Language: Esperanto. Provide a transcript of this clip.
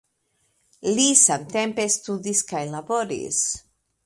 Li samtempe studis kaj laboris.